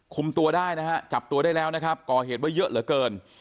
คุมตัวได้นะฮะจับตัวได้แล้วนะครับก่อเหตุไว้เยอะเหลือเกิน